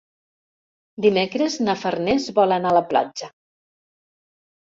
Dimecres na Farners vol anar a la platja.